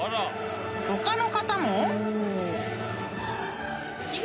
［他の方も］